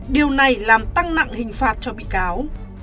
điều này làm tăng nặng hình phạt cho bị cáo